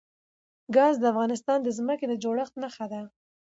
ګاز د افغانستان د ځمکې د جوړښت نښه ده.